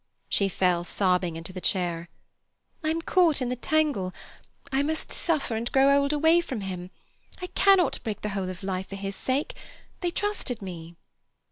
She fell sobbing into the chair. "I'm caught in the tangle. I must suffer and grow old away from him. I cannot break the whole of life for his sake. They trusted me."